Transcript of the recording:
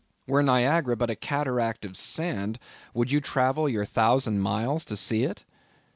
Were Niagara but a cataract of sand, would you travel your thousand miles to see it?